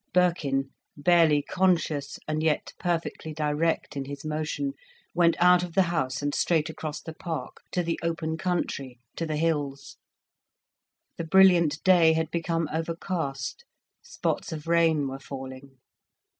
Birkin, barely conscious, and yet perfectly direct in his motion, went out of the house and straight across the park, to the open country, to the hills. The brilliant day had become overcast, spots of rain were falling.